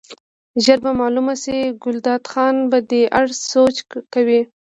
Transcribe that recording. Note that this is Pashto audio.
ژر به معلومه شي، ګلداد خان په دې اړه سوچ کوي.